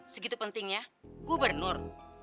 segitu pentingnya gubernur